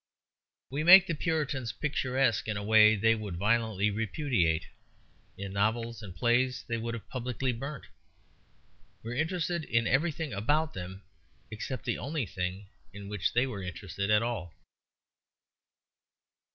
We make the Puritans picturesque in a way they would violently repudiate, in novels and plays they would have publicly burnt. We are interested in everything about them, except the only thing in which they were interested at all.